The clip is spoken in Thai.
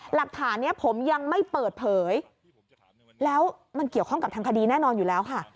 หลักฐานนี้ผมยังไม่เปิดเผยแล้วมันเกี่ยวข้องกับทางคดีแน่นอนอยู่แล้วค่ะ